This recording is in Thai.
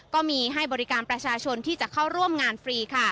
ก็มีให้บริการประชาชนที่จะเข้าร่วมงานฟรีค่ะ